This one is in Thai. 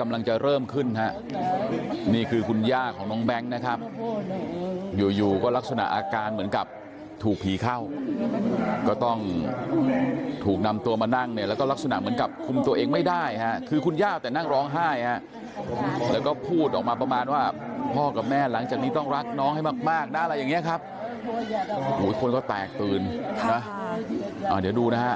กำลังจะเริ่มขึ้นฮะนี่คือคุณย่าของน้องแบงค์นะครับอยู่อยู่ก็ลักษณะอาการเหมือนกับถูกผีเข้าก็ต้องถูกนำตัวมานั่งเนี่ยแล้วก็ลักษณะเหมือนกับคุมตัวเองไม่ได้ฮะคือคุณย่าแต่นั่งร้องไห้ฮะแล้วก็พูดออกมาประมาณว่าพ่อกับแม่หลังจากนี้ต้องรักน้องให้มากนะอะไรอย่างนี้ครับเดี๋ยวดูนะฮะ